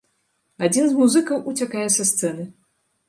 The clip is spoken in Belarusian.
Адзін з музыкаў уцякае са сцэны.